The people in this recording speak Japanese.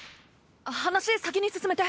話先に進めて。